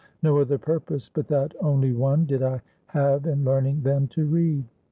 No other purpose but that only one, did I have in learning then to read.